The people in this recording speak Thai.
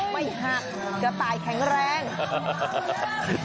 ไม่หักกระต่ายแข็งแรง